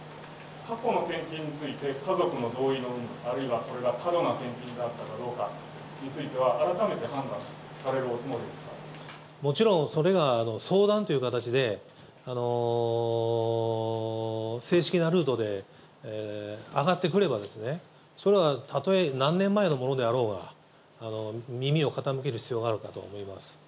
過去の献金について、家族の同意の有無、あるいはそれが過度な献金だったかどうかについては、もちろん、それが相談という形で、正式なルートで上がってくればですね、それはたとえ何年前のものであろうが、耳を傾ける必要があるかと思います。